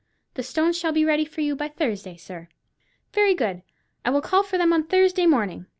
"The stones shall be ready for you by Thursday, sir." "Very good. I will call for them on Thursday morning.